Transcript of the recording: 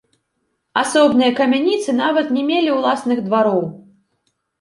Асобныя камяніцы нават не мелі ўласных двароў.